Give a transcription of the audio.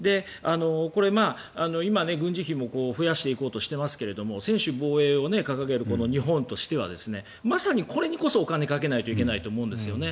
これ、今、軍事費も増やしていこうとしていますが専守防衛を掲げる日本としてはまさにこれにこそお金をかけないといけないと思うんですよね。